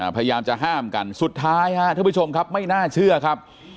พยายามจะห้ามกันสุดท้ายครับท่านผู้ชมครับไม่น่าเชื่อครับ